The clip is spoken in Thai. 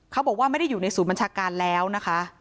เขาบอกว่าไม่ได้อยู่ในศูนย์บัญชาการแล้วนะคะ